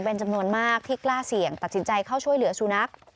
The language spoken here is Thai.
เป็นจำนวนมากที่กล้าเสี่ยงตัดสินใจเข้าช่วยเหลือสุนัข